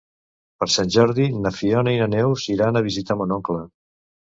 Per Sant Jordi na Fiona i na Neus iran a visitar mon oncle.